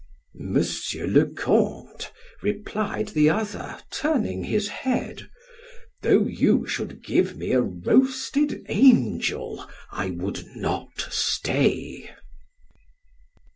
"Monsieur le Count," replied the other, turning his head, "though you should give me a roasted angel, I would not stay."